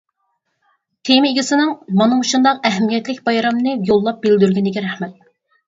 تېما ئىگىسىنىڭ مانا مۇشۇنداق ئەھمىيەتلىك بايرامنى يوللاپ بىلدۈرگىنىگە رەھمەت!